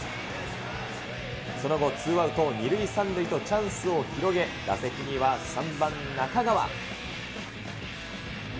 その後、ツーアウト２塁３塁とチャンスを広げ、打席には３番中川。